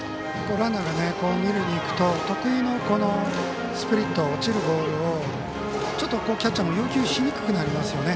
ランナーが二塁に行くと得意のこのスプリット、落ちるボールをちょっとキャッチャーも要求しにくくなりますよね。